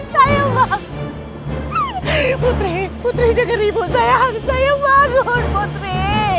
sayang bangun putri putri putri denger ribut sayang sayang bangun putri